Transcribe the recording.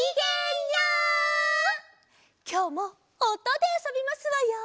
きょうもおとであそびますわよ。